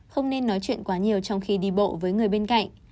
không nên nói chuyện quá nhiều trong khi đi bộ với người bên cạnh